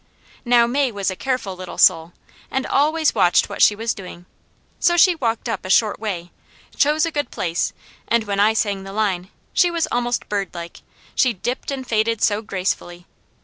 Now May was a careful little soul, and always watched what she was doing, so she walked up a short way, chose a good place, and when I sang the line, she was almost birdlike, she dipped and faded so gracefully.